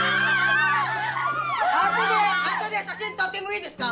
後で後で写真撮ってもいいですか？